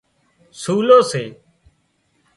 سُولو سي